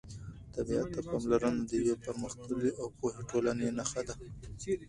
طبیعت ته پاملرنه د یوې پرمختللې او پوهې ټولنې نښه ده.